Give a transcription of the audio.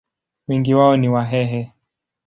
Wengi wao ni Wahehe.